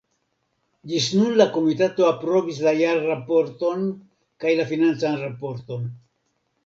Ĝis nun la komitato aprobis la jarraporton kaj la financan raporton.